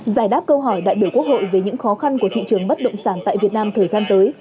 giải đáp câu hỏi đại biểu quốc hội về những khó khăn của thị trường bất động sản tại việt nam thời gian tới